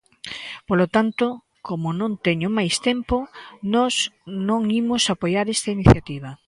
Polo tanto, como non teño máis tempo, nós non imos apoiar esta iniciativa.